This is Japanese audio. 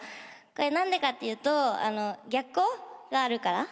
何でかっていうと逆光があるから。